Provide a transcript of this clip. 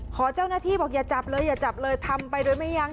ขอเจ้าหน้าที่บอกอย่าจับเลยอย่าจับเลยทำไปโดยไม่ยัง